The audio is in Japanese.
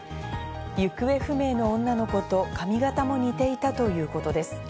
行方不明の女の子と髪形も似ていたということです。